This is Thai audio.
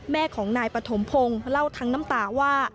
แม่ของนายปฐมพงศ์เล่าทั้งน้ำตาว่า